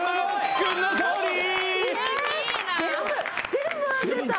全部当てた。